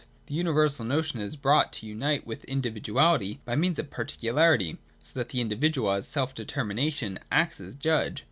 The universal notion is brought to unite with individuality by means of particu larity, so that the individual as self determination acts as judge.